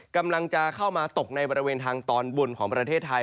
กำลังจะเข้ามาตกในบริเวณทางตอนบนของประเทศไทย